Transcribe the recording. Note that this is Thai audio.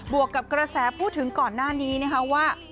วกกับกระแสพูดถึงก่อนหน้านี้นะคะว่า